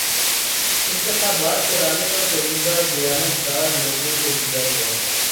انتخابات کرانے کا فریضہ دیانتدار لوگوں کو دیا گیا ہے